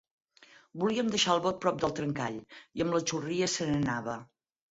Volíem deixar el bot prop del trencall, i amb la xurria se n'anava.